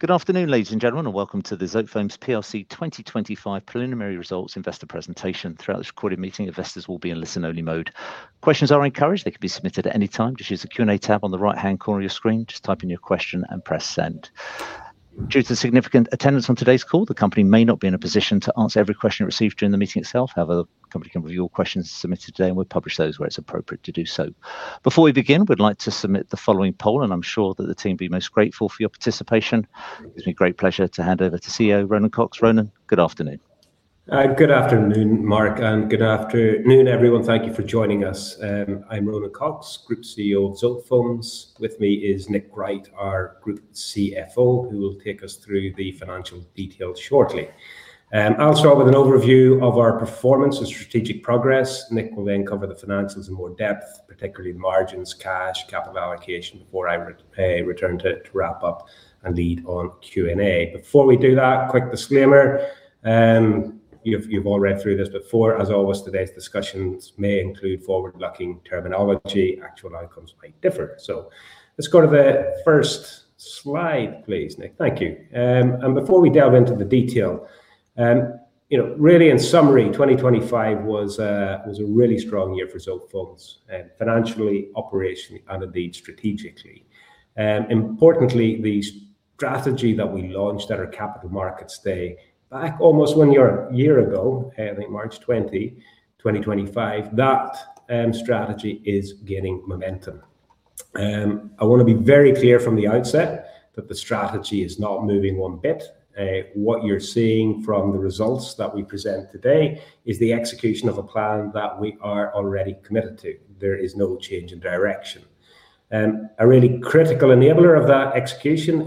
Good afternoon, ladies and gentlemen, and welcome to the Zotefoams plc 2025 preliminary results investor presentation throughout this recorded meeting, investors will be in listen-only mode. Questions are encouraged they can be submitted at any time. Just use the Q&A tab on the right-hand corner of your screen. Just type in your question and press send. Due to the significant attendance on today's call, the company may not be in a position to answer every question received during the meeting itself however, the company can review all questions submitted today, and we'll publish those where it's appropriate to do so. Before we begin, we'd like to submit the following poll, and I'm sure that the team will be most grateful for your participation. It gives me great pleasure to hand over to CEO Ronan Cox. Ronan, good afternoon. Good afternoon, Mark, and good afternoon, everyone. Thank you for joining us. I'm Ronan Cox, Group CEO of Zotefoams. With me is Nick Wright, our Group CFO, who will take us through the financial details shortly. I'll start with an overview of our performance and strategic progress. Nick will then cover the financials in more depth, particularly the margins, cash, capital allocation, before i return to wrap up and lead on Q&A. Before we do that, quick disclaimer. You've all read through this before as always, today's discussions may include forward-looking terminology actual outcomes may differ. Let's go to the first slide, please, Nick thank you. Before we dive into the detail, you know, really in summary, 2025 was a really strong year for Zotefoams, financially, operationally, and indeed strategically. Importantly, the strategy that we launched at our Capital Markets Day back almost one year, a year ago, I think 20 March 2025, that strategy is gaining momentum. I wanna be very clear from the outset that the strategy is not moving one bit. What you're seeing from the results that we present today is the execution of a plan that we are already committed to. There is no change in direction. A really critical enabler of that execution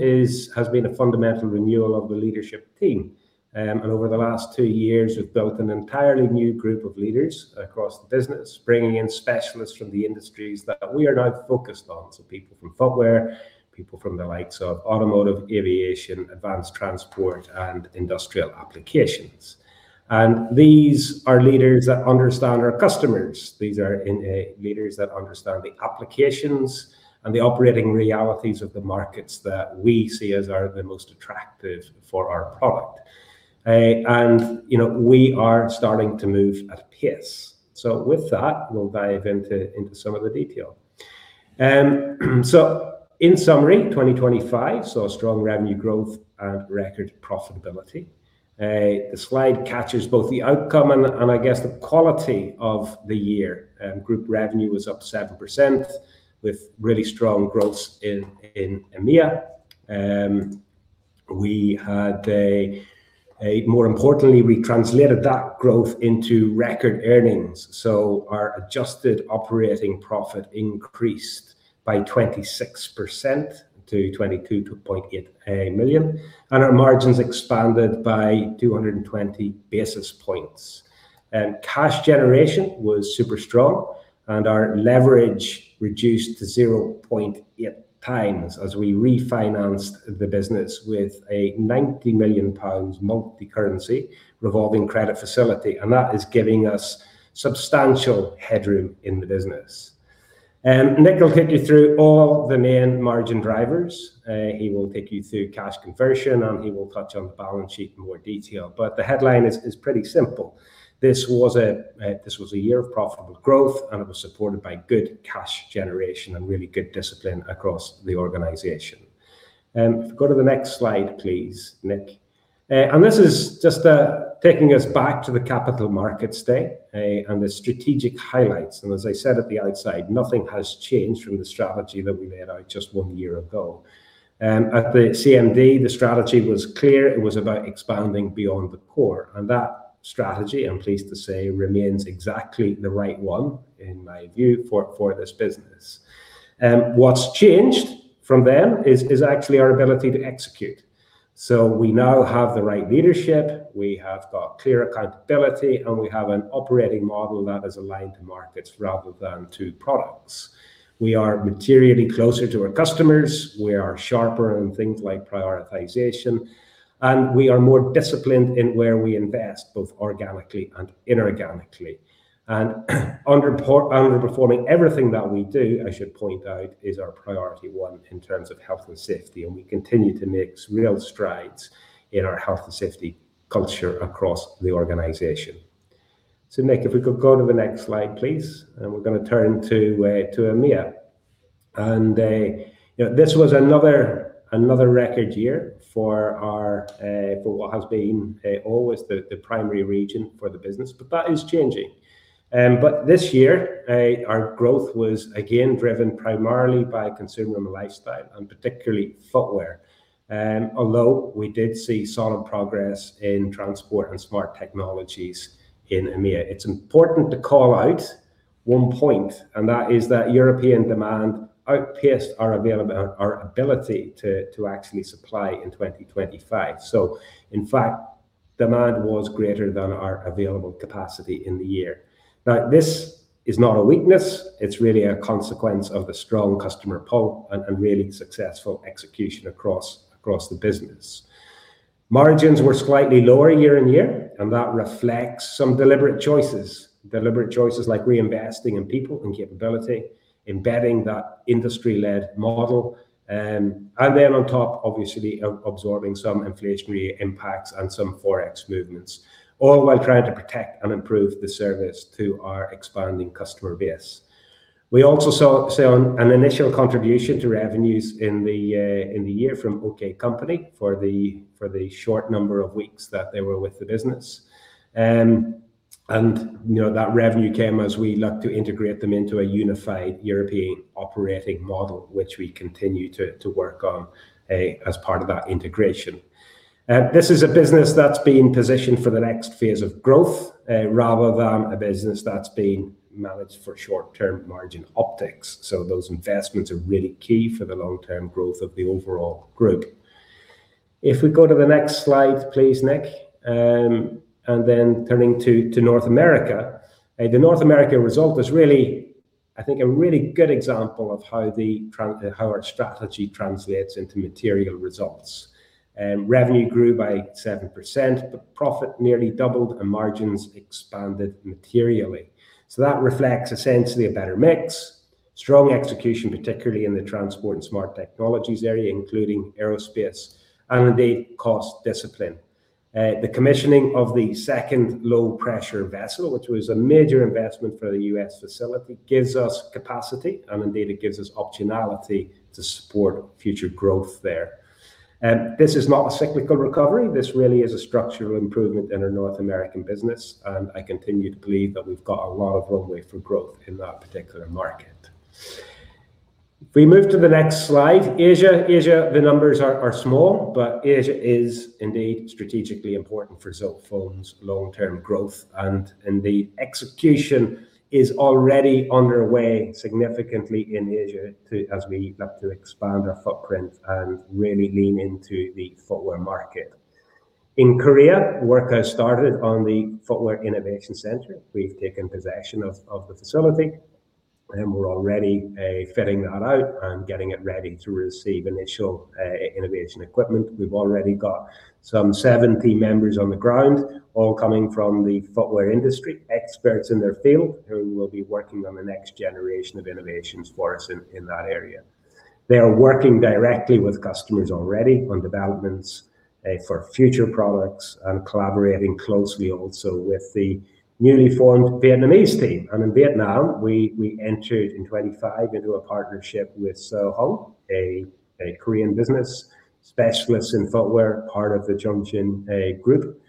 has been a fundamental renewal of the leadership team. Over the last two years, we've built an entirely new group of leaders across the business, bringing in specialists from the industries that we are now focused on. People from footwear, people from the likes of automotive, aviation, advanced transport, and industrial applications. These are leaders that understand our customers. These are leaders that understand the applications and the operating realities of the markets that we see as are the most attractive for our product. You know, we are starting to move at pace. With that, we'll dive into some of the detail. In summary, 2025 saw strong revenue growth and record profitability. The slide captures both the outcome and I guess the quality of the year. Group revenue was up 7% with really strong growth in EMEA. We had a more importantly, we translated that growth into record earnings. Our adjusted operating profit increased by 26% to 22.8 million, and our margins expanded by 220 basis points. Cash generation was super strong, and our leverage reduced to 0.8x as we refinanced the business with a 90 million pounds multi-currency revolving credit facility. That is giving us substantial headroom in the business. Nick will take you through all the main margin drivers. He will take you through cash conversion, and he will touch on the balance sheet in more detail the headline is pretty simple. This was a year of profitable growth, and it was supported by good cash generation and really good discipline across the organization. If you go to the next slide, please, Nick. This is just taking us back to the Capital Markets Day, and the strategic highlights. As I said at the outside, nothing has changed from the strategy that we laid out just one year ago. At the CMD, the strategy was clear. It was about expanding beyond the core that strategy, I'm pleased to say, remains exactly the right one, in my view, for this business. What's changed from then is actually our ability to execute. We now have the right leadership. We have got clear accountability, and we have an operating model that is aligned to markets rather than to products. We are materially closer to our customers. We are sharper in things like prioritization, and we are more disciplined in where we invest, both organically and inorganically. Underperforming everything that we do, I should point out, is our priority one in terms of health and safety, and we continue to make real strides in our health and safety culture across the organization. Nick, if we could go to the next slide, please, and we're gonna turn to EMEA. You know, this was another record year for our for what has been always the primary region for the business, but that is changing. This year, our growth was again driven primarily by Consumer & Lifestyle, and particularly footwear. Although we did see solid progress in Transport & Smart Technologies in EMEA it's important to call out one point, and that is that European demand outpaced our our ability to actually supply in 2025. In fact, demand was greater than our available capacity in the year. Now, this is not a weakness. It's really a consequence of the strong customer pull and really successful execution across the business. Margins were slightly lower year-on-year, and that reflects some deliberate choices. Deliberate choices like reinvesting in people and capability, embedding that industry-led model, and then on top, obviously, absorbing some inflationary impacts and some Forex movements, all while trying to protect and improve the service to our expanding customer base. We also saw an initial contribution to revenues in the year from OKC for the short number of weeks that they were with the business. You know, that revenue came as we look to integrate them into a unified European operating model, which we continue to work on as part of that integration. This is a business that's being positioned for the next phase of growth rather than a business that's being managed for short-term margin optics. Those investments are really key for the long-term growth of the overall group. If we go to the next slide, please, Nick. Then turning to North America. The North America result is really, I think, a really good example of how our strategy translates into material results. Revenue grew by 7%, but profit nearly doubled and margins expanded materially. That reflects essentially a better mix, strong execution, particularly in the transport and smart technologies area, including aerospace, and indeed cost discipline. The commissioning of the second low-pressure vessel, which was a major investment for the US facility, gives us capacity, and indeed it gives us optionality to support future growth there. This is not a cyclical recovery this really is a structural improvement in our North American business, and I continue to believe that we've got a lot of runway for growth in that particular market. If we move to the next slide. Asia. Asia, the numbers are small, but Asia is indeed strategically important for Zotefoams' long-term growth, and indeed execution is already underway significantly in Asia to, as we look to expand our footprint and really lean into the footwear market. In Korea, work has started on the Footwear Innovation Center. We've taken possession of the facility, and we're already fitting that out and getting it ready to receive initial innovation equipment we've already got some 70 members on the ground. All coming from the footwear industry, experts in their field who will be working on the next generation of innovations for us in that area. They are working directly with customers already on developments for future products and collaborating closely also with the newly formed Vietnamese team. In Vietnam, we entered in 2025 into a partnership with Seoheung, a Korean business specialist in footwear, part of the Jungshin Group.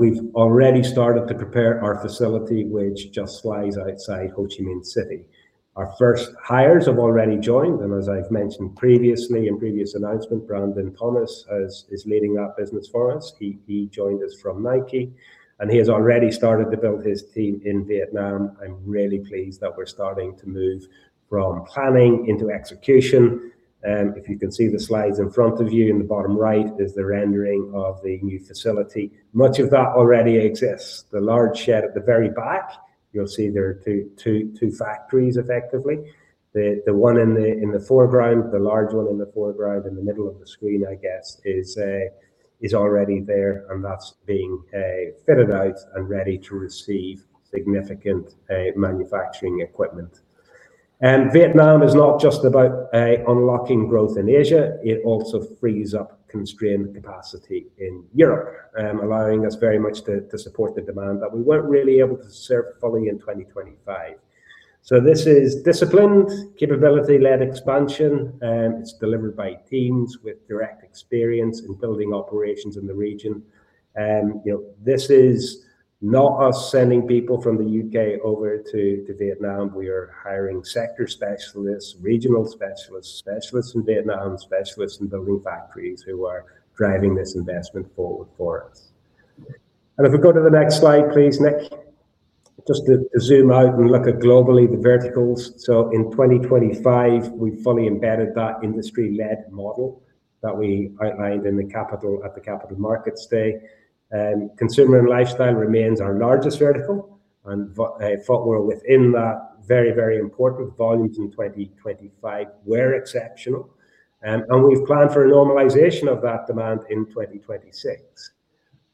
We've already started to prepare our facility, which just lies outside Ho Chi Minh City. Our first hires have already joined, and as I've mentioned previously in previous announcement, Brandon Thomas is leading that business for us. He joined us from Nike, and he has already started to build his team in Vietnam. I'm really pleased that we're starting to move from planning into execution. If you can see the slides in front of you, in the bottom right is the rendering of the new facility. Much of that already exists. The large shed at the very back, you'll see there are two factories, effectively. The one in the foreground, the large one in the foreground in the middle of the screen, I guess, is already there, and that's being fitted out and ready to receive significant manufacturing equipment. Vietnam is not just about unlocking growth in Asia. It also frees up constrained capacity in Europe, allowing us very much to support the demand that we weren't really able to serve fully in 2025. This is disciplined, capability-led expansion, it's delivered by teams with direct experience in building operations in the region. You know, this is not us sending people from the UK over to Vietnam we are hiring sector specialists, regional specialists in Vietnam, specialists in building factories who are driving this investment forward for us. If we go to the next slide, please, Nick. Just to zoom out and look at globally the verticals. In 2025, we fully embedded that industry-led model that we outlined at the Capital Markets Day. Consumer and Lifestyle remains our largest vertical, and footwear within that very, very important volumes in 2025 were exceptional. We've planned for a normalization of that demand in 2026.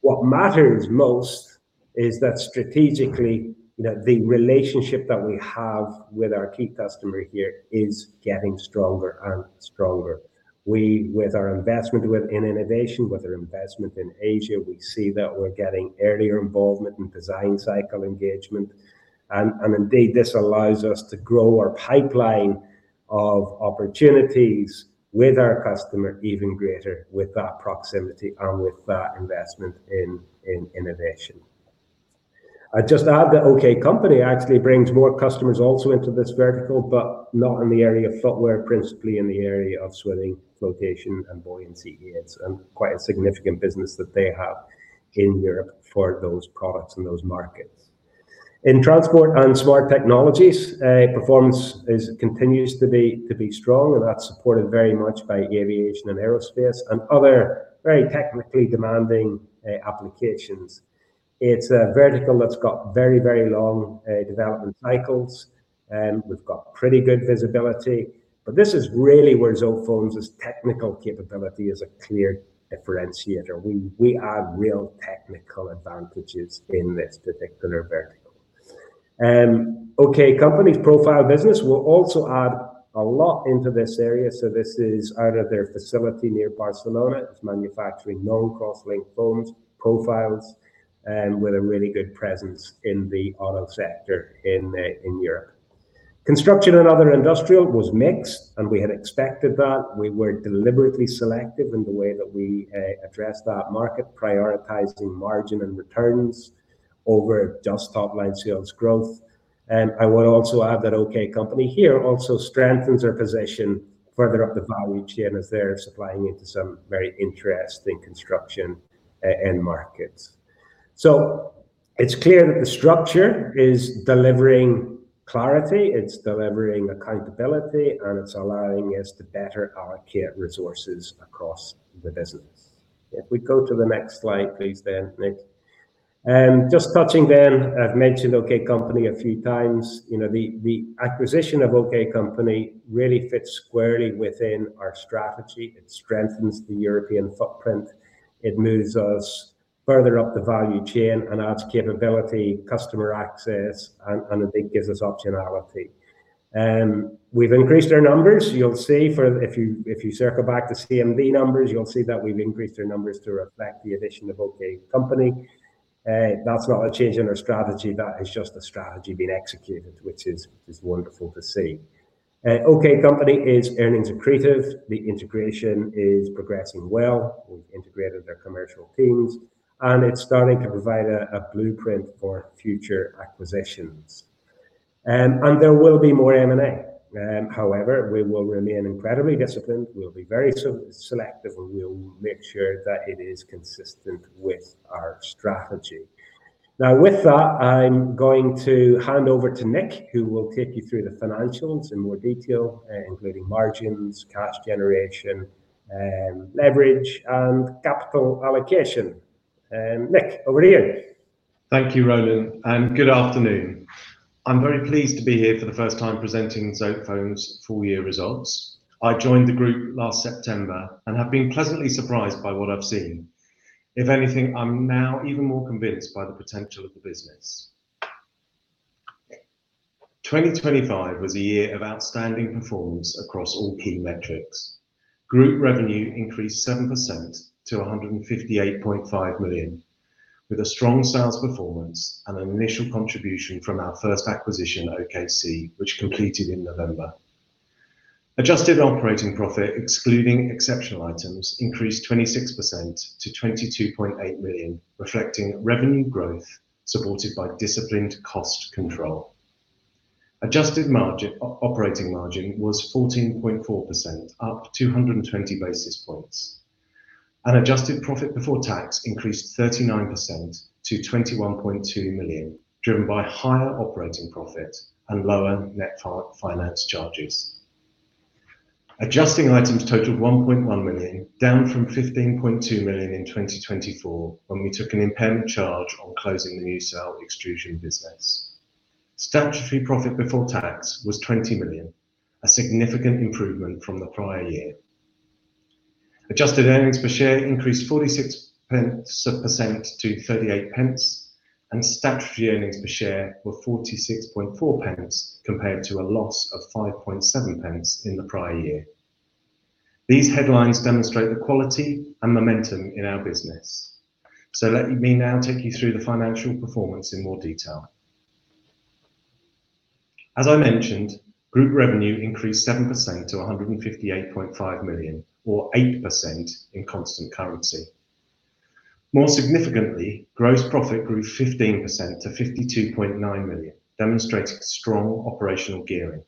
What matters most is that strategically, you know, the relationship that we have with our key customer here is getting stronger and stronger. We, with our investment within innovation, with our investment in Asia, we see that we're getting earlier involvement in design cycle engagement. Indeed, this allows us to grow our pipeline of opportunities with our customer even greater with that proximity and with that investment in innovation. I'd just add that OKC actually brings more customers also into this vertical, but not in the area of footwear, principally in the area of swimming, flotation, and buoyancy aids and quite a significant business that they have in Europe for those products and those markets. In transport and smart technologies, performance continues to be strong, and that's supported very much by aviation and aerospace and other very technically demanding applications. It's a vertical that's got very, very long development cycles, and we've got pretty good visibility. This is really where Zotefoams' technical capability is a clear differentiator we have real technical advantages in this particular vertical. OKC's company profile business will also add a lot into this area so this is out of their facility near Barcelona it's manufacturing known cross-linked foams, profiles. With a really good presence in the auto sector in Europe. Construction and other industrial was mixed, and we had expected that. We were deliberately selective in the way that we addressed that market, prioritizing margin and returns over just top-line sales growth. I would also add that OKC here also strengthens our position further up the value chain as they're supplying into some very interesting construction end markets. It's clear that the structure is delivering clarity, it's delivering accountability, and it's allowing us to better allocate resources across the business. If we go to the next slide, please, then, Nick. Just touching then, I've mentioned OKC a few times. You know, the acquisition of OKC really fits squarely within our strategy. It strengthens the European footprint. It moves us further up the value chain and adds capability, customer access, and I think gives us optionality. We've increased our numbers. You'll see. If you circle back to [unintelligible] numbers, you'll see that we've increased our numbers to reflect the addition of OKC. That's not a change in our strategy. That is just the strategy being executed, which is wonderful to see. OKC is earnings accretive. The integration is progressing well. We've integrated their commercial teams, and it's starting to provide a blueprint for future acquisitions. There will be more M&A. However, we will remain incredibly disciplined we'll be very selective, and we'll make sure that it is consistent with our strategy. Now, with that, I'm going to hand over to Nick, who will take you through the financials in more detail, including margins, cash generation, leverage and capital allocation. Nick, over to you. Thank you, Ronan, and good afternoon. I'm very pleased to be here for the first time presenting Zotefoams' full-year results. I joined the group last September and have been pleasantly surprised by what I've seen. If anything, I'm now even more convinced by the potential of the business. 2025 was a year of outstanding performance across all key metrics. Group revenue increased 7% to 158.5 million, with a strong sales performance and an initial contribution from our first acquisition, OKC, which completed in November. Adjusted operating profit, excluding exceptional items, increased 26% to 22.8 million, reflecting revenue growth supported by disciplined cost control. Adjusted operating margin was 14.4%, up 220 basis points. Adjusted profit before tax increased 39% to 21.2 million, driven by higher operating profit and lower net finance charges. Adjusting items totaled 1.1 million, down from 15.2 million in 2024 when we took an impairment charge on closing the MuCell Extrusion business. Statutory profit before tax was 20 million, a significant improvement from the prior year. Adjusted earnings per share increased 46% to 0.38, and statutory earnings per share were 0.464 compared to a loss of 0.057 in the prior year. These headlines demonstrate the quality and momentum in our business. Let me now take you through the financial performance in more detail. As I mentioned, group revenue increased 7% to 158.5 million or 8% in constant currency. More significantly, gross profit grew 15% to 52.9 million, demonstrating strong operational gearing.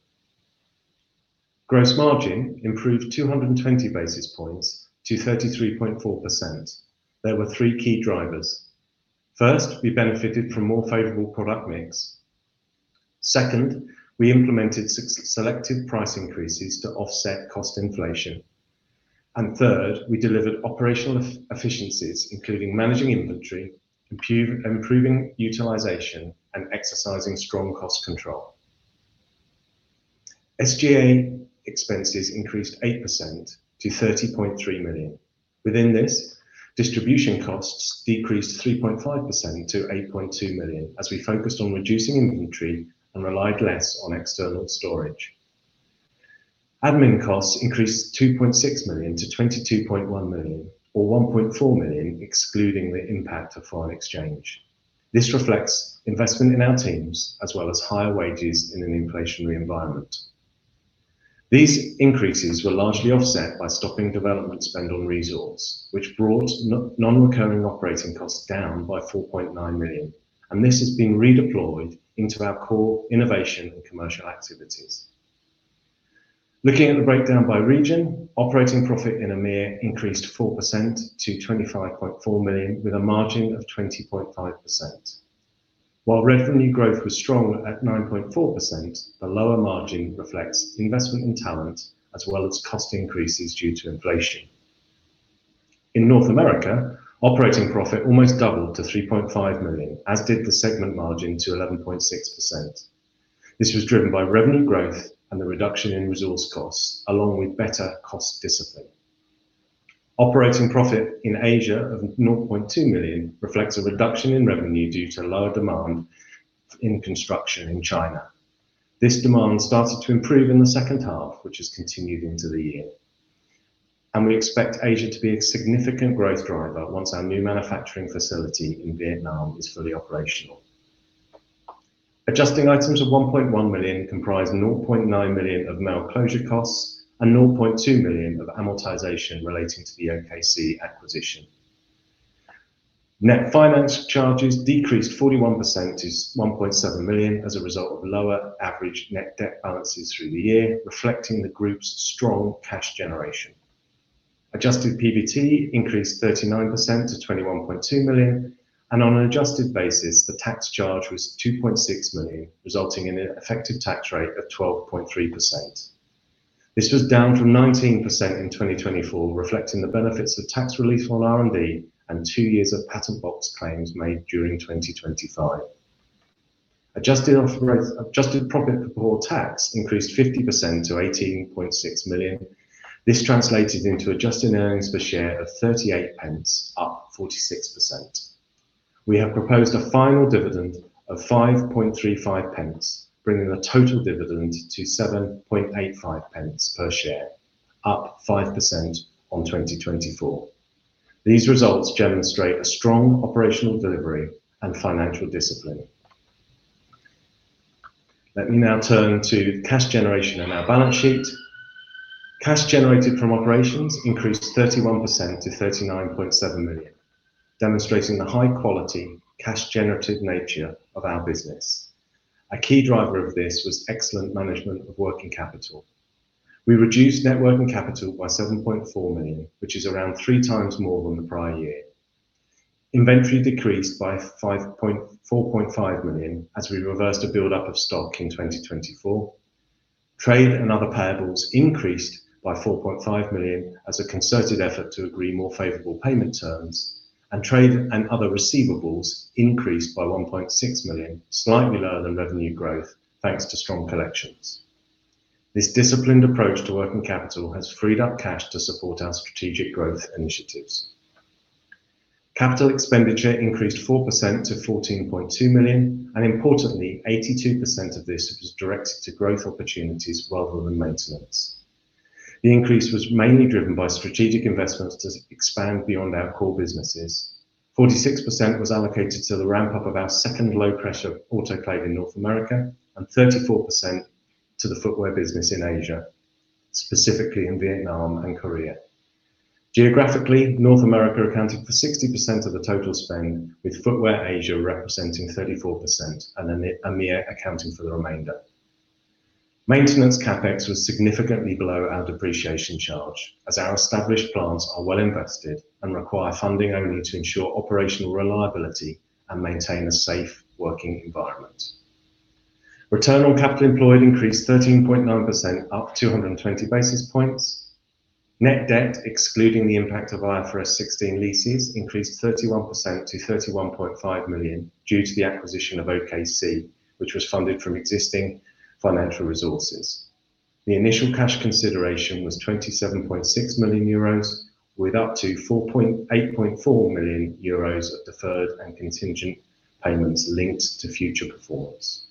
Gross margin improved 220 basis points to 33.4%. There were three key drivers. First, we benefited from more favorable product mix. Second, we implemented selective price increases to offset cost inflation. Third, we delivered operational efficiencies, including managing inventory, improving utilization, and exercising strong cost control. SG&A expenses increased 8% to 30.3 million. Within this, distribution costs decreased 3.5% to 8.2 million as we focused on reducing inventory and relied less on external storage. Admin costs increased 2.6 million to 22.1 million, or 1.4 million excluding the impact of foreign exchange. This reflects investment in our teams as well as higher wages in an inflationary environment. These increases were largely offset by stopping development spend on ReZorce, which brought non-recurring operating costs down by 4.9 million, and this is being redeployed into our core innovation and commercial activities. Looking at the breakdown by region, operating profit in EMEIA increased 4% to 25.4 million, with a margin of 20.5%. While revenue growth was strong at 9.4%, the lower margin reflects investment in talent as well as cost increases due to inflation. In North America, operating profit almost doubled to 3.5 million, as did the segment margin to 11.6%. This was driven by revenue growth and the reduction in ReZorce costs along with better cost discipline. Operating profit in Asia of 0.2 million reflects a reduction in revenue due to lower demand in construction in China. This demand started to improve in the second half, which has continued into the year. We expect Asia to be a significant growth driver once our new manufacturing facility in Vietnam is fully operational. Adjusting items of 1.1 million comprise 0.9 million of MuCell closure costs and 0.2 million of amortization relating to the OKC acquisition. Net finance charges decreased 41% to 1.7 million as a result of lower average net debt balances through the year, reflecting the group's strong cash generation. Adjusted EBITDA increased 39% to 21.2 million, and on an adjusted basis, the tax charge was 2.6 million, resulting in an effective tax rate of 12.3%. This was down from 19% in 2024, reflecting the benefits of tax relief on R&D and two years of Patent Box claims made during 2025. Adjusted profit before tax increased 50% to 18.6 million. This translated into adjusted earnings per share of 0.38, up 46%. We have proposed a final dividend of 0.0535, bringing the total dividend to 0.0785 per share, up 5% on 2024. These results demonstrate a strong operational delivery and financial discipline. Let me now turn to cash generation and our balance sheet. Cash generated from operations increased 31% to 39.7 million, demonstrating the high-quality cash generative nature of our business. A key driver of this was excellent management of working capital. We reduced net working capital by 7.4 million, which is around three times more than the prior year. Inventory decreased by 4.5 million as we reversed a buildup of stock in 2024. Trade and other payables increased by 4.5 million as a concerted effort to agree more favorable payment terms, and trade and other receivables increased by 1.6 million, slightly lower than revenue growth thanks to strong collections. This disciplined approach to working capital has freed up cash to support our strategic growth initiatives. Capital expenditure increased 4% to 14.2 million, and importantly, 82% of this was directed to growth opportunities rather than maintenance. The increase was mainly driven by strategic investments to expand beyond our core businesses. 46% was allocated to the ramp-up of our second low-pressure autoclave in North America and 34% to the footwear business in Asia, specifically in Vietnam and Korea. Geographically, North America accounted for 60% of the total spend, with footwear Asia representing 34% and EMEA accounting for the remainder. Maintenance CapEx was significantly below our depreciation charge, as our established plants are well-invested and require funding only to ensure operational reliability and maintain a safe working environment. Return on capital employed increased 13.9%, up 220 basis points. Net debt, excluding the impact of IFRS 16 leases, increased 31% to 31.5 million due to the acquisition of OKC, which was funded from existing financial resources. The initial cash consideration was 27.6 million euros, with up to 8.4 million euros of deferred and contingent payments linked to future performance.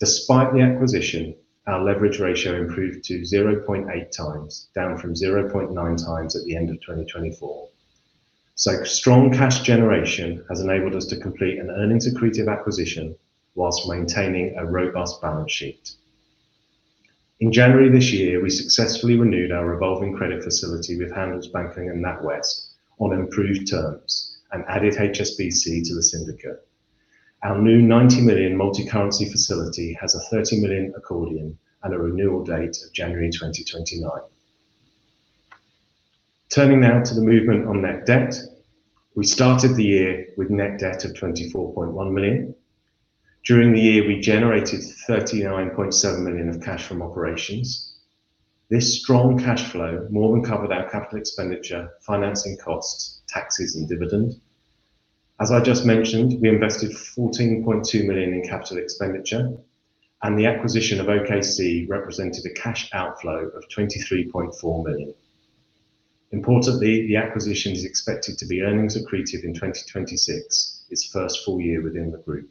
Despite the acquisition, our leverage ratio improved to 0.8x, down from 0.9x at the end of 2024. Strong cash generation has enabled us to complete an earnings accretive acquisition while maintaining a robust balance sheet. In January this year, we successfully renewed our revolving credit facility with Handelsbanken and NatWest on improved terms and added HSBC to the syndicate. Our new 90 million multi-currency facility has a 30 million accordion and a renewal date of January 2029. Turning now to the movement on net debt. We started the year with net debt of 24.1 million. During the year, we generated 39.7 million of cash from operations. This strong cash flow more than covered our capital expenditure, financing costs, taxes and dividend. As I just mentioned, we invested 14.2 million in capital expenditure, and the acquisition of OKC represented a cash outflow of 23.4 million. Importantly, the acquisition is expected to be earnings accretive in 2026, its first full year within the group.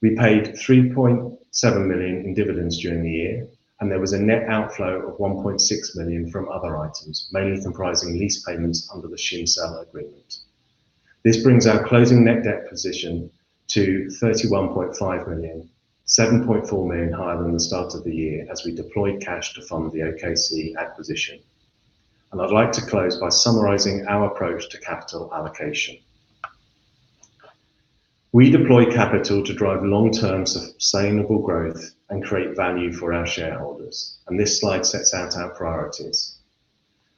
We paid 3.7 million in dividends during the year, and there was a net outflow of 1.6 million from other items, mainly comprising lease payments under the Seoheung agreement. This brings our closing net debt position to 31.5 million, 7.4 million higher than the start of the year as we deployed cash to fund the OKC acquisition. I'd like to close by summarizing our approach to capital allocation. We deploy capital to drive long-term sustainable growth and create value for our shareholders, and this slide sets out our priorities.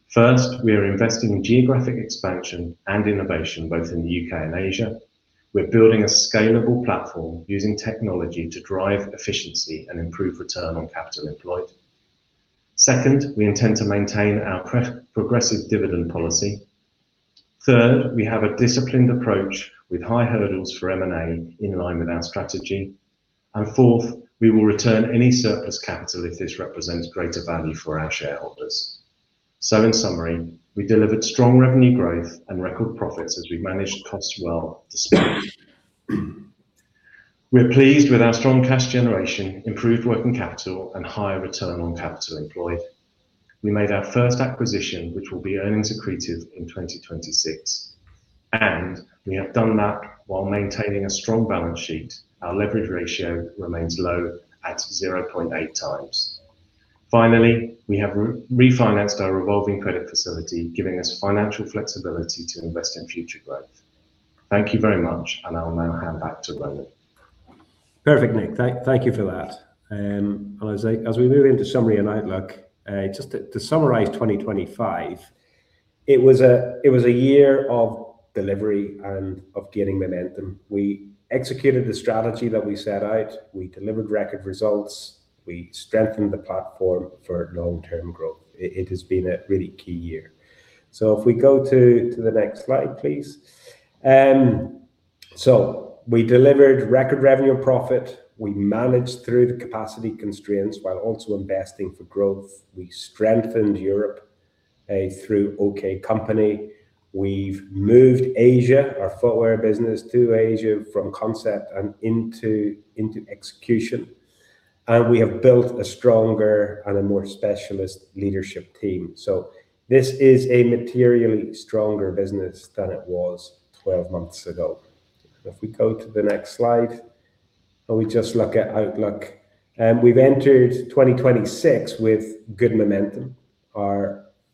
First, we are investing in geographic expansion and innovation both in the UK and Asia. We're building a scalable platform using technology to drive efficiency and improve return on capital employed. Second, we intend to maintain our progressive dividend policy. Third, we have a disciplined approach with high hurdles for M&A in line with our strategy. Fourth, we will return any surplus capital if this represents greater value for our shareholders. In summary, we delivered strong revenue growth and record profits as we managed costs well despite. We're pleased with our strong cash generation, improved working capital and higher return on capital employed. We made our first acquisition, which will be earnings accretive in 2026, and we have done that while maintaining a strong balance sheet. Our leverage ratio remains low at 0.8x. Finally, we have re-refinanced our revolving credit facility, giving us financial flexibility to invest in future growth. Thank you very much, and I'll now hand back to Ronan. Perfect, Nick thank you for that. As we move into summary and outlook, just to summarize 2025, it was a year of delivery and of gaining momentum. We executed the strategy that we set out. We delivered record results. We strengthened the platform for long-term growth. It has been a really key year. If we go to the next slide, please. We delivered record revenue profit. We managed through the capacity constraints while also investing for growth. We strengthened Europe through OKC. We've moved our footwear business to Asia from concept and into execution. We have built a stronger and a more specialist leadership team. This is a materially stronger business than it was 12 months ago. If we go to the next slide, and we just look at outlook. We've entered 2026 with good momentum.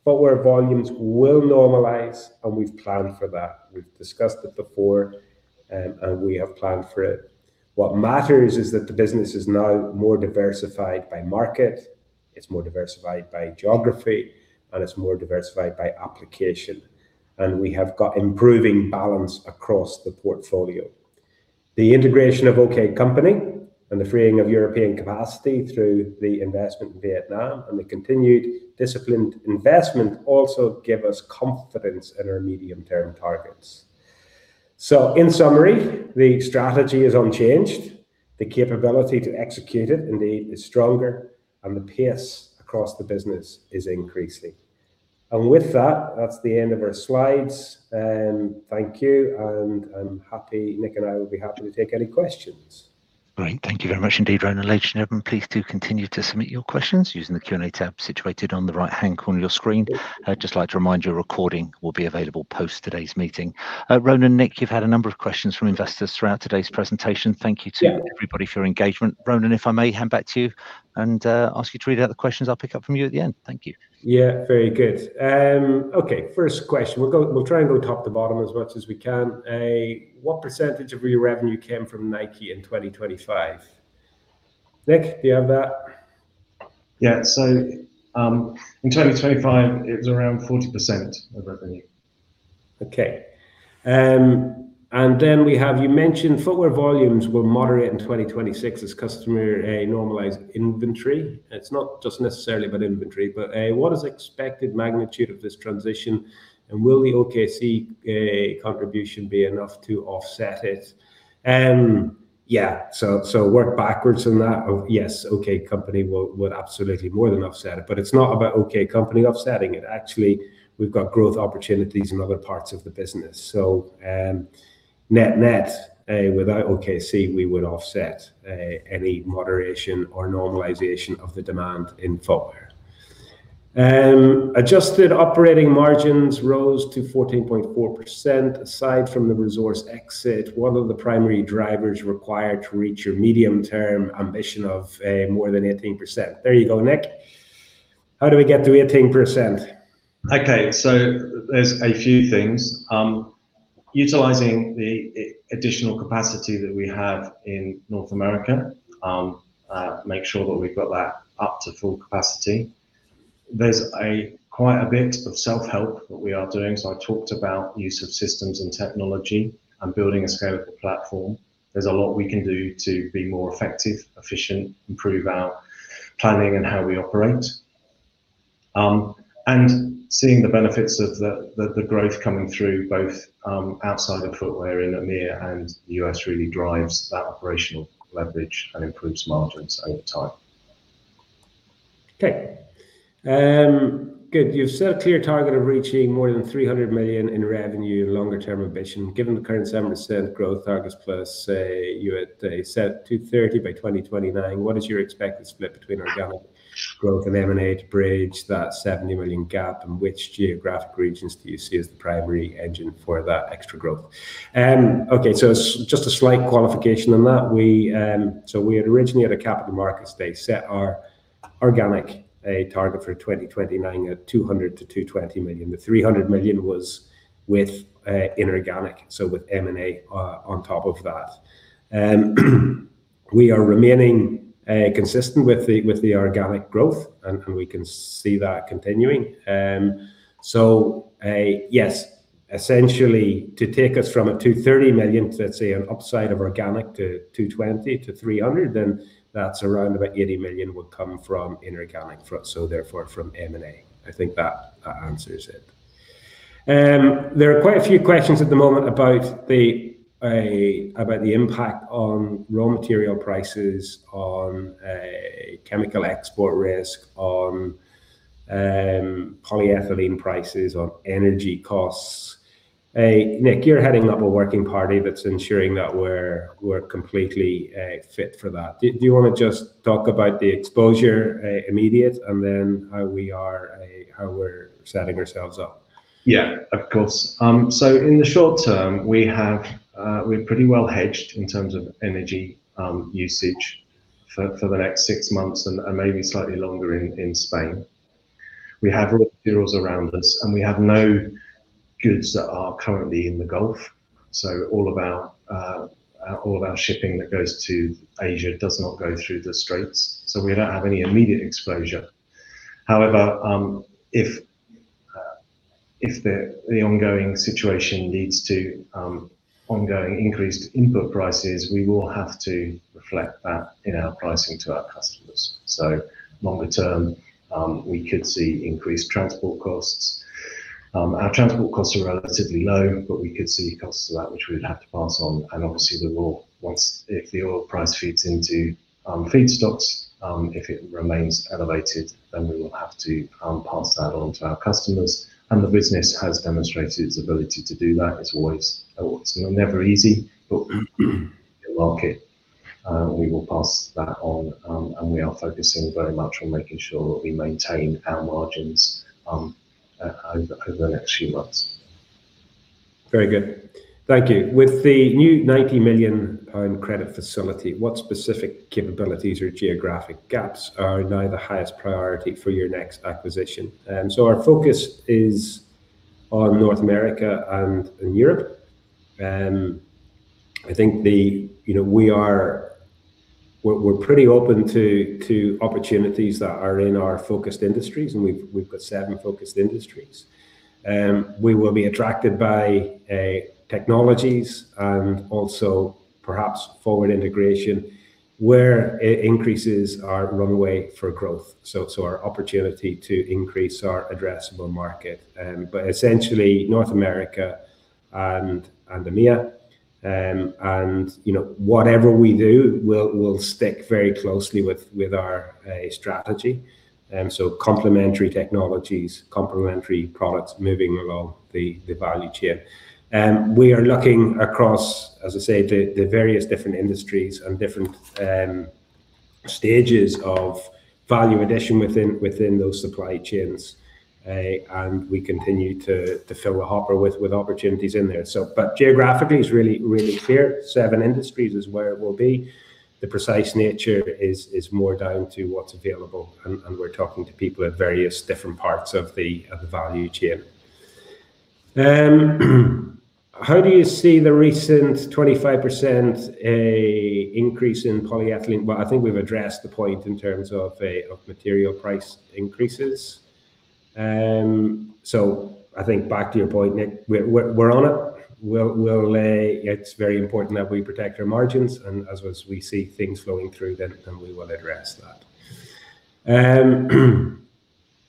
Our footwear volumes will normalize, and we've planned for that. We've discussed it before, and we have planned for it. What matters is that the business is now more diversified by market, it's more diversified by geography, and it's more diversified by application, and we have got improving balance across the portfolio. The integration of OKC and the freeing of European capacity through the investment in Vietnam and the continued disciplined investment also give us confidence in our medium-term targets. In summary, the strategy is unchanged. The capability to execute it indeed is stronger, and the pace across the business is increasing. With that's the end of our slides. Thank you, and I'm happy Nick and I will be happy to take any questions. All right. Thank you very much indeed, Ronan ladies and gentlemen, please do continue to submit your questions using the Q&A tab situated on the right-hand corner of your screen. Just like to remind you, a recording will be available post today's meeting. Ronan, Nick, you've had a number of questions from investors throughout today's presentation. Thank you to everybody for your engagement. Ronan, if I may hand back to you and ask you to read out the questions, I'll pick up from you at the end. Thank you. Yeah. Very good. Okay, first question. We'll try and go top to bottom as much as we can. What percentage of your revenue came from Nike in 2025? Nick, do you have that? In 2025, it was around 40% of revenue. Okay. You mentioned footwear volumes were moderate in 2026 as customer normalized inventory. It's not just necessarily about inventory, but what is expected magnitude of this transition, and will the OKC contribution be enough to offset it? Yeah, work backwards on that. Yes, OKC would absolutely more than offset it, but it's not about OKC offsetting it. Actually, we've got growth opportunities in other parts of the business. Net debt, without OKC, we would offset any moderation or normalization of the demand in footwear. Adjusted operating margins rose to 14.4%. Aside from the ReZorce exit, what are the primary drivers required to reach your medium-term ambition of more than 18%? There you go, Nick. How do we get to 18%? Okay. There's a few things. Utilizing the additional capacity that we have in North America, make sure that we've got that up to full capacity. There's quite a bit of self-help that we are doing, so I talked about use of systems and technology and building a scalable platform. There's a lot we can do to be more effective, efficient, improve our planning and how we operate. Seeing the benefits of the growth coming through both outside of footwear in EMEA and the US really drives that operational leverage and improves margins over time. Okay. Good. You've set a clear target of reaching more than 300 million in revenue in longer term ambition given the current 7% growth targets plus, you had set 230 million by 2029, what is your expected split between organic growth and M&A to bridge that 70 million gap, and which geographic regions do you see as the primary engine for that extra growth? Okay, just a slight qualification on that. We, so we had originally at a Capital Markets Day set our organic target for 2029 at 200 to 220 million the 300 million was with inorganic, so with M&A, on top of that. We are remaining consistent with the organic growth, and we can see that continuing. Yes, essentially to take us from 230 million to, let's say, an upside of organic to 220 to 300 million, then that's around about 80 million would come from inorganic, so therefore from M&A. I think that answers it. There are quite a few questions at the moment about the impact on raw material prices, on chemical export risk, on polyethylene prices, on energy costs. Nick, you're heading up a working party that's ensuring that we're completely fit for that do you wanna just talk about the exposure, immediate and then how we're setting ourselves up? Yeah, of course. In the short term, we're pretty well hedged in terms of energy usage for the next six months and maybe slightly longer in Spain. We have raw materials around us, and we have no goods that are currently in the Gulf. All of our shipping that goes to Asia does not go through the Straits. We don't have any immediate exposure. However, if the ongoing situation leads to ongoing increased input prices, we will have to reflect that in our pricing to our customers. Longer term, we could see increased transport costs. Our transport costs are relatively low, but we could see costs to that which we would have to pass on obviously we will if the oil price feeds into feedstocks. if it remains elevated, then we will have to pass that on to our customers. The business has demonstrated its ability to do that as always. It's never easy, but the market, we will pass that on we are focusing very much on making sure that we maintain our margins over the next few months. Very good. Thank you. With the new 90 million pound credit facility, what specific capabilities or geographic gaps are now the highest priority for your next acquisition? Our focus is on North America and in Europe. I think, you know, we're pretty open to opportunities that are in our focused industries, and we've got seven focused industries. We will be attracted by technologies and also perhaps forward integration where it increases our runway for growth. Our opportunity to increase our addressable market. Essentially North America and EMEA. You know, whatever we do, we'll stick very closely with our strategy. Complementary technologies, complementary products moving along the value chain. We are looking across, as I say, the various different industries and different stages of value addition within those supply chains. We continue to fill the hopper with opportunities in there geographically, it's really clear. Seven industries is where it will be. The precise nature is more down to what's available and we're talking to people at various different parts of the value chain. How do you see the recent 25% increase in Polyethylene? Well, I think we've addressed the point in terms of material price increases. I think back to your point, Nick, we're on it. It's very important that we protect our margins and as we see things flowing through then we will address that.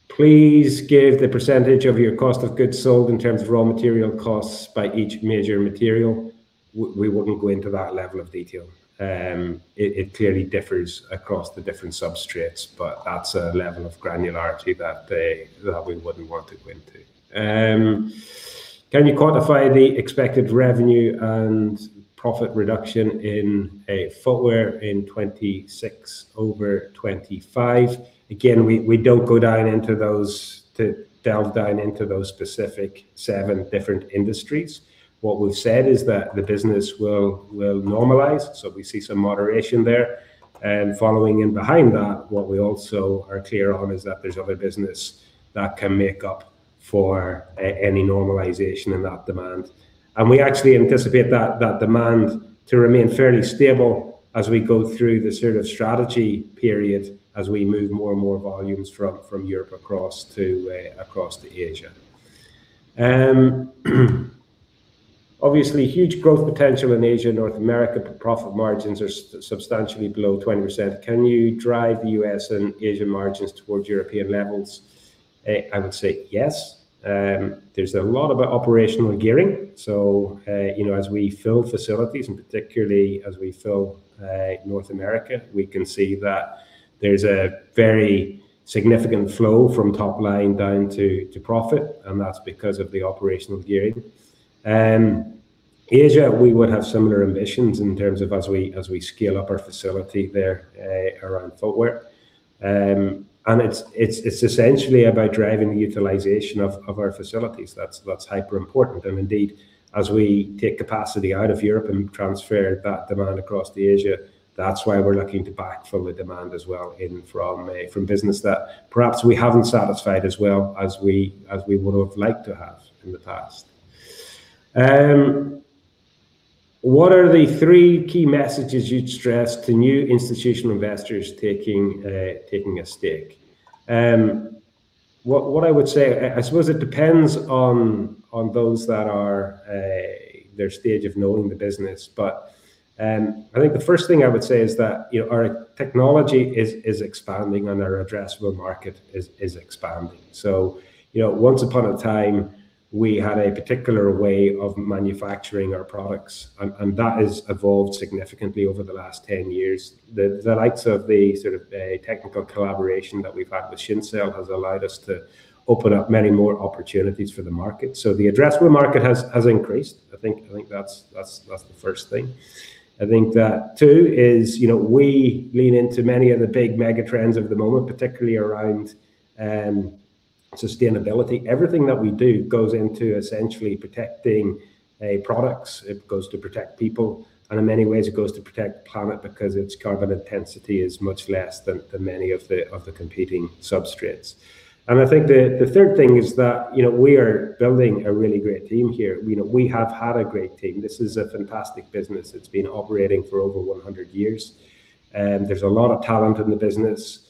Please give the percentage of your cost of goods sold in terms of raw material costs by each major material. We wouldn't go into that level of detail. It clearly differs across the different substrates, but that's a level of granularity that we wouldn't want to go into. Can you quantify the expected revenue and profit reduction in footwear in 2026 over 2025? Again, we don't delve down into those specific seven different industries. What we've said is that the business will normalize. We see some moderation there. Following in behind that, what we also are clear on is that there's other business that can make up for any normalization in that demand. We actually anticipate that demand to remain fairly stable as we go through the sort of strategy period as we move more and more volumes from Europe across to Asia. Obviously huge growth potential in Asia, North America profit margins are substantially below 20%. Can you drive the U.S. and Asian margins towards European levels? I would say yes. There's a lot about operational gearing. You know, as we fill facilities, and particularly as we fill North America, we can see that there's a very significant flow from top line down to profit, and that's because of the operational gearing. Asia, we would have similar ambitions in terms of as we scale up our facility there, around footwear. It's essentially about driving the utilization of our facilities that's hyper important indeed, as we take capacity out of Europe and transfer that demand across to Asia, that's why we're looking to backfill the demand as well from business that perhaps we haven't satisfied as well as we would have liked to have in the past. What are the three key messages you'd stress to new institutional investors taking a stake? What I would say, I suppose it depends on those that are their stage of knowing the business. I think the first thing I would say is that, you know, our technology is expanding and our addressable market is expanding. You know, once upon a time, we had a particular way of manufacturing our products and that has evolved significantly over the last 10 years. The likes of the sort of technical collaboration that we've had with Seoheung has allowed us to open up many more opportunities for the market so the addressable market has increased. I think that's the first thing. I think that two is, you know, we lean into many of the big mega trends of the moment, particularly around sustainability everything that we do goes into essentially protecting products, it goes to protect people, and in many ways it goes to protect the planet because its carbon intensity is much less than many of the competing substrates. I think the third thing is that, you know, we are building a really great team here. You know, we have had a great team. This is a fantastic business. It's been operating for over 100 years. There's a lot of talent in the business.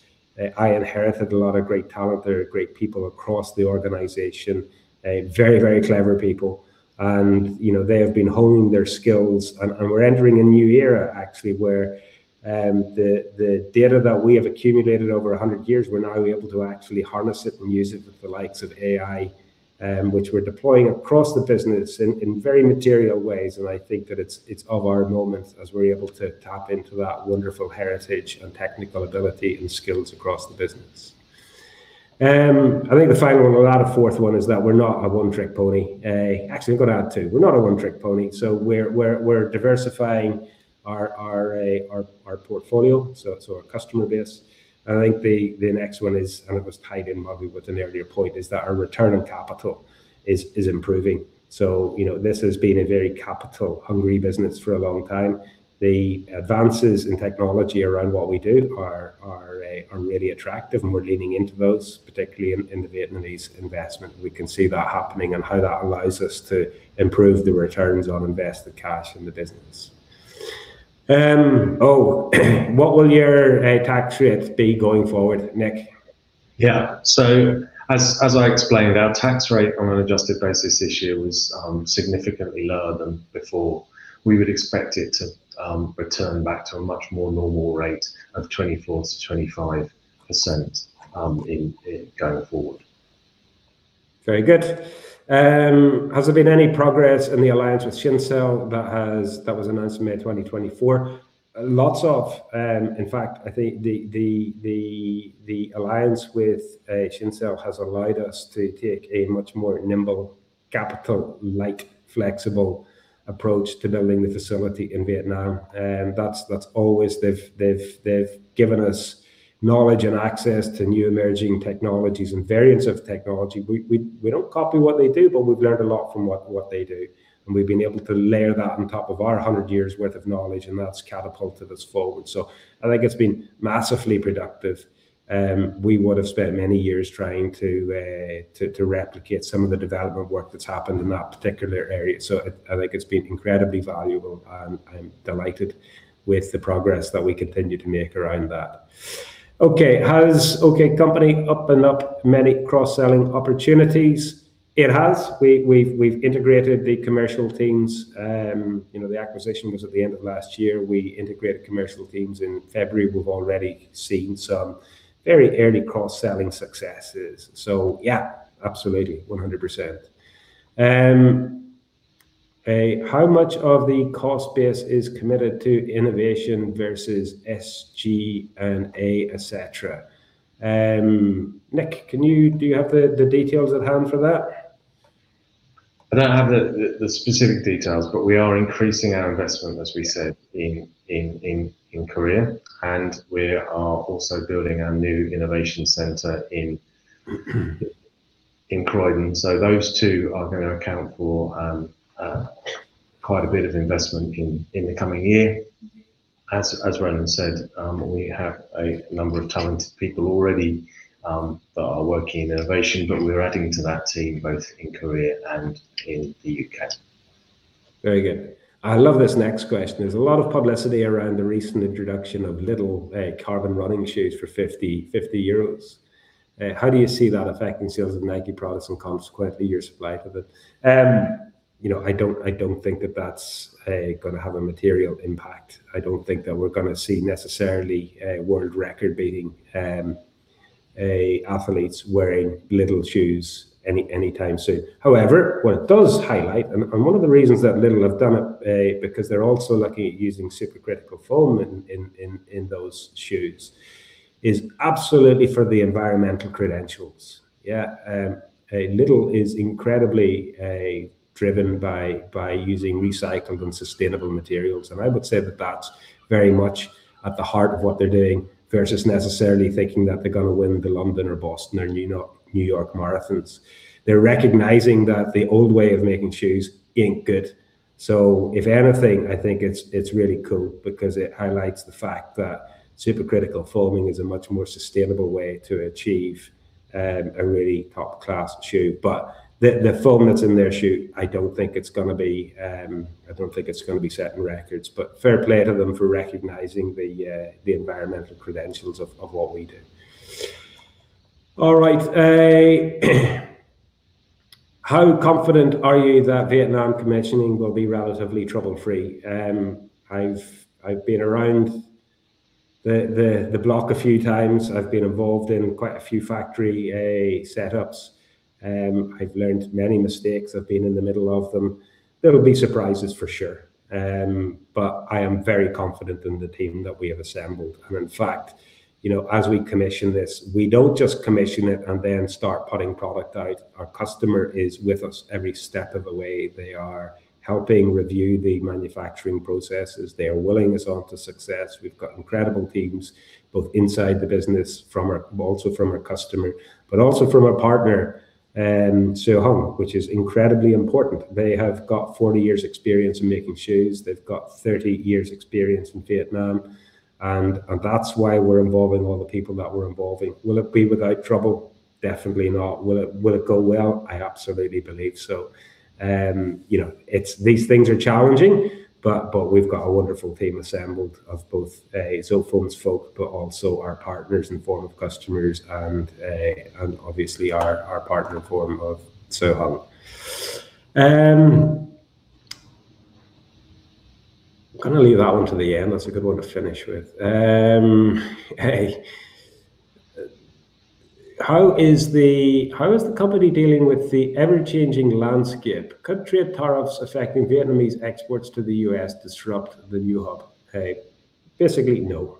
I inherited a lot of great talent there are great people across the organization. Very, very clever people. You know, they have been honing their skills and we're entering a new era actually, where the data that we have accumulated over 100 years, we're now able to actually harness it and use it with the likes of AI, which we're deploying across the business in very material ways i think that it's of our moment as we're able to tap into that wonderful heritage and technical ability and skills across the business. I think the final one, we'll add a fourth one, is that we're not a one trick pony. Actually, I'm gonna add two we're not a one-trick pony, so we're diversifying our portfolio, so our customer base. I think the next one is, and it was tied in probably with an earlier point, is that our return on capital is improving. You know, this has been a very capital hungry business for a long time. The advances in technology around what we do are really attractive and we're leaning into those, particularly in the Vietnamese investment we can see that happening and how that allows us to improve the returns on invested cash in the business. Oh, what will your tax rate be going forward, Nick? As I explained, our tax rate on an adjusted basis this year was significantly lower than before. We would expect it to return back to a much more normal rate of 24% to 25% going forward. Very good. Has there been any progress in the alliance with Shinseil that was announced in May 2024? In fact, I think the alliance with Shincell has allowed us to take a much more nimble capital, like flexible approach to building the facility in Vietnam. They've given us knowledge and access to new emerging technologies and variants of technology we don't copy what they do, but we've learned a lot from what they do, and we've been able to layer that on top of our 100 years' worth of knowledge, and that's catapulted us forward. I think it's been massively productive. We would've spent many years trying to replicate some of the development work that's happened in that particular area so i think it's been incredibly valuable. I'm delighted with the progress that we continue to make around that. Okay. Has OKC opened up many cross-selling opportunities? It has. We've integrated the commercial teams. You know, the acquisition was at the end of last year. We integrated commercial teams in February we've already seen some very early cross-selling successes, so yeah, absolutely, 100%. How much of the cost base is committed to innovation versus SG&A, et cetera? Nick, do you have the details at hand for that? I don't have the specific details, but we are increasing our investment, as we said, in Korea, and we are also building our new innovation center in Croydon those two are gonna account for quite a bit of investment in the coming year. As Ronan said, we have a number of talented people already that are working in innovation, but we are adding to that team both in Korea and in the UK. Very good. I love this next question. There's a lot of publicity around the recent introduction of Lidl carbon running shoes for 50 euros. How do you see that affecting sales of Nike products and consequently your supply for them? You know, I don't think that's gonna have a material impact. I don't think that we're gonna see necessarily world record-beating athletes wearing Lidl shoes anytime soon. However, what it does highlight, and one of the reasons that Lidl have done it, because they're also looking at using supercritical foam in those shoes, is absolutely for the environmental credentials. Yeah. Lidl is incredibly driven by using recycled and sustainable materials. I would say that that's very much at the heart of what they're doing versus necessarily thinking that they're gonna win the London or Boston or New York marathons. They're recognizing that the old way of making shoes ain't good. If anything, I think it's really cool because it highlights the fact that supercritical foaming is a much more sustainable way to achieve a really top-class shoe. The foam that's in their shoe, I don't think it's gonna be setting records but fair play to them for recognizing the environmental credentials of what we do. All right. How confident are you that Vietnam commissioning will be relatively trouble-free? I've been around the block a few times i've been involved in quite a few factory setups. I've learned many mistakes. I've been in the middle of them. There will be surprises for sure. But I am very confident in the team that we have assembled in fact, you know, as we commission this, we don't just commission it and then start putting product out our customer is with us every step of the way. They are- -helping review the manufacturing processes they are willing us on to success we've got incredible teams both inside the business, also from our customer, but also from our partner, Seoheung, which is incredibly important. They have got 40 years experience in making shoes. They've got 30 years experience in Vietnam, and that's why we're involving all the people that we're involving will it be without trouble? Definitely not. Will it go well? I absolutely believe so. You know, it's these things are challenging, but we've got a wonderful team assembled of both Zotefoams' folk, but also our partners in the form of customers and obviously our partner in the form of Seoheung. I'm gonna leave that one to the end that's a good one to finish with. How is the company dealing with the ever-changing landscape? Could trade tariffs affecting Vietnamese exports to the U.S. disrupt the new hub? Basically, no.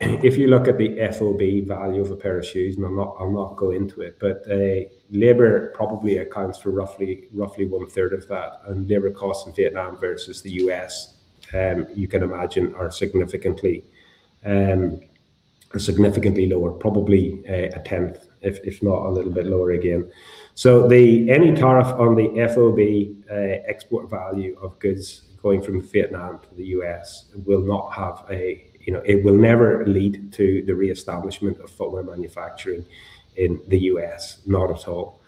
If you look at the FOB value of a pair of shoes, and I'll not go into it, but labor probably accounts for roughly one third of that. Labor costs in Vietnam versus the US, you can imagine, are significantly lower, probably a 10th if not a little bit lower again. Any tariff on the FOB export value of goods going from Vietnam to the US will not have a, you know, it will never lead to the re-establishment of footwear manufacturing in the US? Not at all.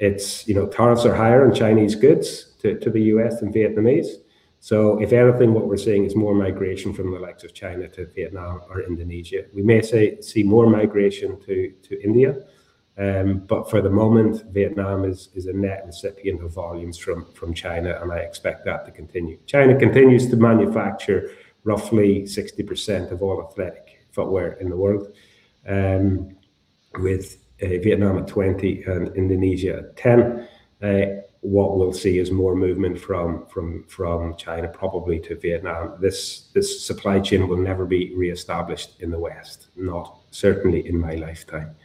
It's, you know, tariffs are higher on Chinese goods to the US than Vietnamese. If anything, what we're seeing is more migration from the likes of China to Vietnam or Indonesia we may see more migration to India. But for the moment, Vietnam is a net recipient of volumes from China, and I expect that to continue China continues to manufacture roughly 60% of all athletic footwear in the world. With Vietnam at 20% and Indonesia at 10%. What we'll see is more movement from China, probably to Vietnam. This supply chain will never be re-established in the West, not certainly in my lifetime.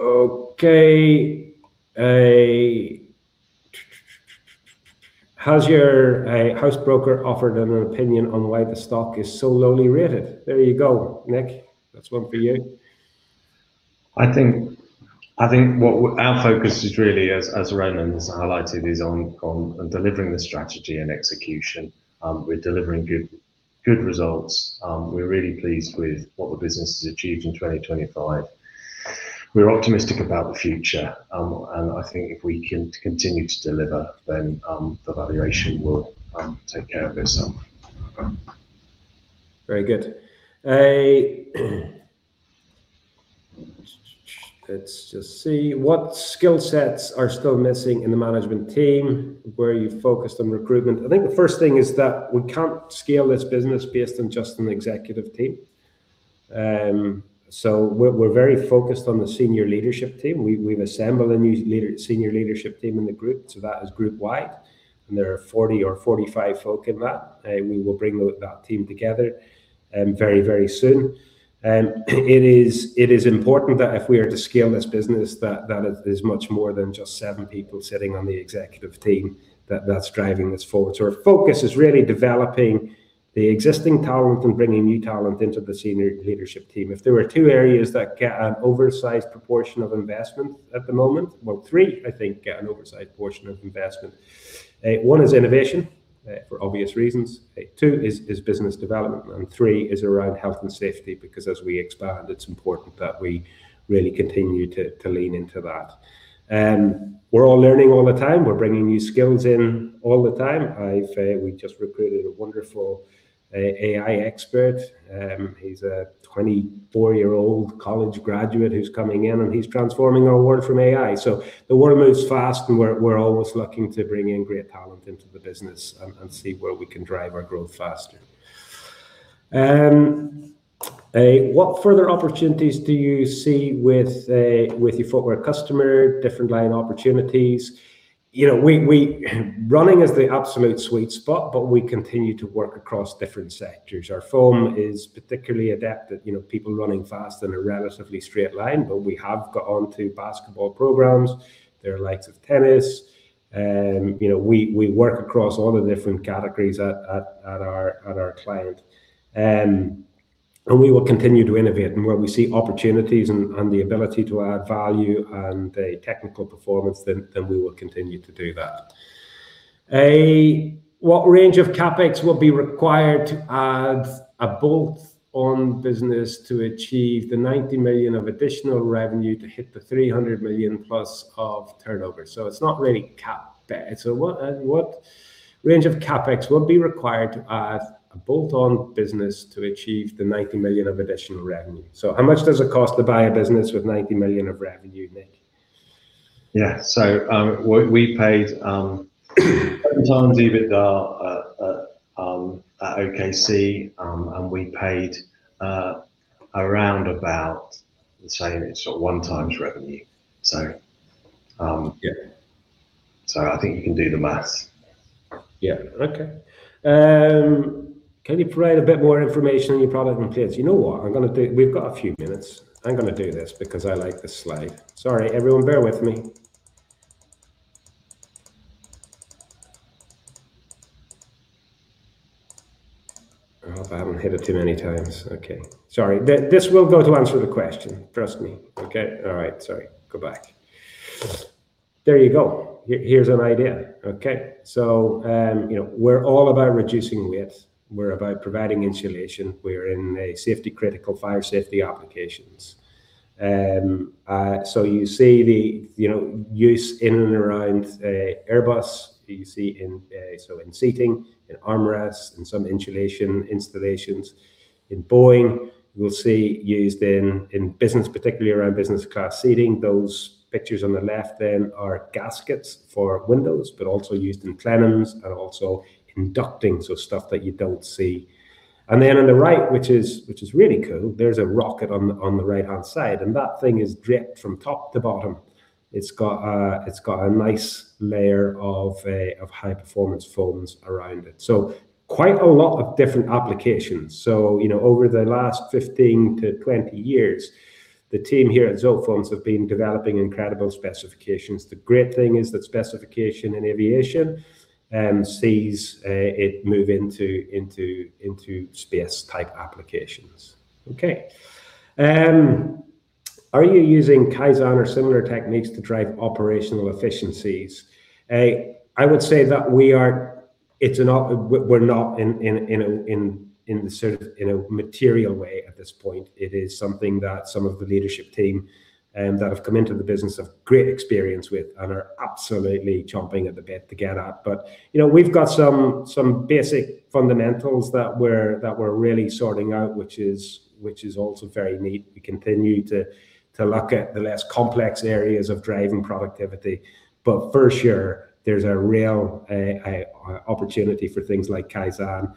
Okay. Has your house broker offered an opinion on why the stock is so lowly rated? There you go, Nick. That's one for you. I think what our focus is really as Ronan has highlighted is on delivering the strategy and execution. We're delivering good results. We're really pleased with what the business has achieved in 2025. We're optimistic about the future. I think if we can continue to deliver, then the valuation will take care of itself. Very good. Let's just see. What skill sets are still missing in the management team? Where are you focused on recruitment? I think the first thing is that we can't scale this business based on just an executive team. We're very focused on the senior leadership team we've assembled a new senior leadership team in the group, so that is group wide, and there are 40 or 45 folk in that. We will bring that team together very, very soon. It is important that if we are to scale this business that it is much more than just seven people sitting on the executive team that's driving this forward our focus is really developing the existing talent and bringing new talent into the senior leadership team if there were two areas that get an oversized proportion of investment at the moment, well, three I think get an oversized portion of investment. One is innovation, for obvious reasons. Two is business development, and three is around health and safety, because as we expand, it's important that we really continue to lean into that. We're all learning all the time we're bringing new skills in all the time we just recruited a wonderful AI expert. He's a 24-year-old college graduate who's coming in, and he's transforming our world with AI. So the world moves fast, and we're always looking to bring in great talent into the business and see where we can drive our growth faster. What further opportunities do you see with your footwear customer, different line opportunities? You know, running is the absolute sweet spot, but we continue to work across different sectors our foam is particularly adept at, you know, people running fast in a relatively straight line, but we have got onto basketball programs. There are likes of tennis. You know, we work across all the different categories at our client. We will continue to innovate. Where we see opportunities and the ability to add value and technical performance, then we will continue to do that. What range of CapEx will be required to add a bolt-on business to achieve the 90 million of additional revenue to hit the 300+ million of turnover? It's not really CapEx. What range of CapEx will be required to add a bolt-on business to achieve the 90 million of additional revenue? How much does it cost to buy a business with 90 million of revenue, Nick? We paid [unintelligible] EBITDA at OKC, and we paid around about the same, sort of, 1x revenue. I think you can do the math. Yeah. Okay. Can you provide a bit more information on your product and plans? You know what? We've got a few minutes. I'm gonna do this because I like this slide. Sorry, everyone, bear with me. I hope I haven't hit it too many times. Okay. Sorry, this will go to answer the question, trust me. Okay all right sorry go back. There you go. Here, here's an idea. Okay. You know, we're all about reducing weight, we're about providing insulation, we're in a safety critical fire safety applications. You see the, you know, use in and around, Airbus. You see in, so in seating, in armrests, in some insulation installations. In Boeing, you will see used in business, particularly around business class seating those pictures on the left are gaskets for windows, but also used in plenums and also in ducting, so stuff that you don't see. On the right, which is really cool, there's a rocket on the right-hand side, and that thing is draped from top to bottom. It's got a nice layer of high performance foams around it. Quite a lot of different applications. You know, over the last 15 to 20 years, the team here at Zotefoams have been developing incredible specifications the great thing is that specification in aviation sees it move into space-type applications. Okay. Are you using Kaizen or similar techniques to drive operational efficiencies? I would say that it's not, we're not in a material way at this point. It is something that some of the leadership team that have come into the business have great experience with and are absolutely chomping at the bit to get at. You know, we've got some basic fundamentals that we're really sorting out, which is also very neat. We continue to look at the less complex areas of driving productivity. For sure there's a real opportunity for things like Kaizen.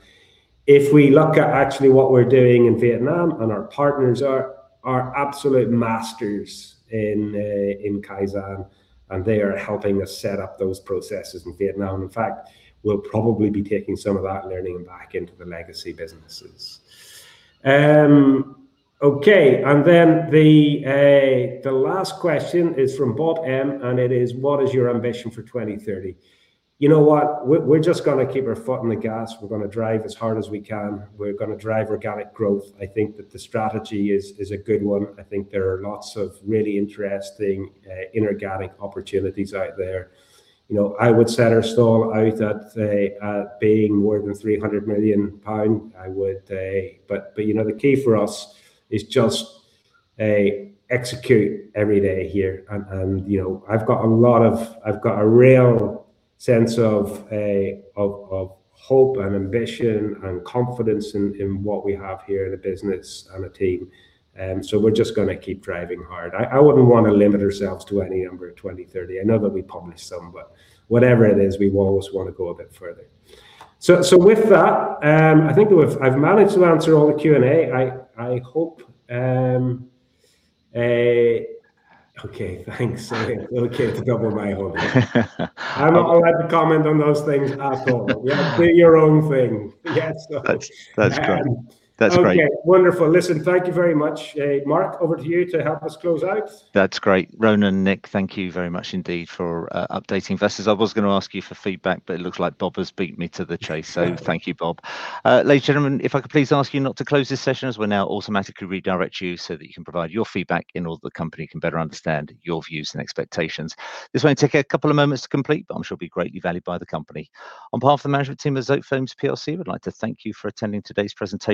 If we look at actually what we're doing in Vietnam, and our partners are absolute masters in Kaizen, and they are helping us set up those processes in Vietnam in fact, we'll probably be taking some of that learning back into the legacy businesses. Okay. Then the last question is from Bob M. and it is: What is your ambition for 2030? You know what? We're just gonna keep our foot on the gas. We're gonna drive as hard as we can. We're gonna drive organic growth. I think that the strategy is a good one. I think there are lots of really interesting inorganic opportunities out there. You know, I would set our stall out at being more than 300 million pound, I would. But you know, the key for us is just execute every day here. You know, I've got a real sense of hope and ambition and confidence in what we have here in the business and the team. We're just gonna keep driving hard i wouldn't wanna limit ourselves to any number at 2030 i know that we publish some, but whatever it is, we always wanna go a bit further. With that, I think I've managed to answer all the Q&A. I hope. Okay, thanks okay it's double my hope. I'm not allowed to comment on those things at all. You create your own thing. Yes. That's great. That's great. Okay. Wonderful. Listen, thank you very much. Mark, over to you to help us close out. That's great. Ronan, Nick, thank you very much indeed for updating investors i was gonna ask you for feedback, but it looks like Bob has beat me to the chase. Yeah. Thank you, Bob. Ladies and gentlemen, if I could please ask you not to close this session as we'll now automatically redirect you so that you can provide your feedback and also the company can better understand your views and expectations. This may take a couple of moments to complete, but I'm sure it'll be greatly valued by the company. On behalf of the management team of Zotefoams plc, we'd like to thank you for attending today's presentation.